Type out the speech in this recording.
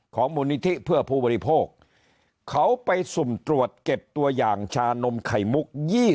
มูลนิธิเพื่อผู้บริโภคเขาไปสุ่มตรวจเก็บตัวอย่างชานมไข่มุก